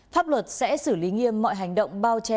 pháp luật sẽ xử lý nghiêm mọi hành động bao che